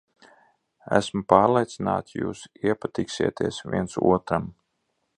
Esmu pārliecināta, jūs iepatiksieties viens otram.